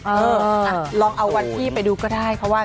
เออลองเอาวันที่ไปดูก็ได้เพราะว่า